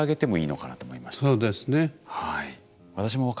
はい。